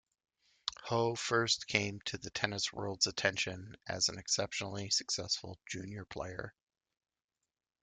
Ho first came to the tennis world's attention as an exceptionally successful junior player.